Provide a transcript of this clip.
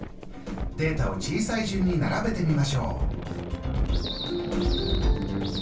データを小さい順に並べてみましょう。